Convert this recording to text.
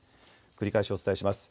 繰り返しお伝えします。